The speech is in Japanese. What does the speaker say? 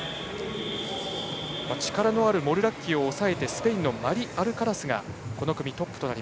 力のあるモルラッキを抑えてスペインのマリアルカラスがこの組トップ。